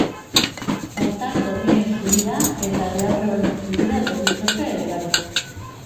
Baita Sorginen zubia eta Deabruaren zubia deritzote ere bai.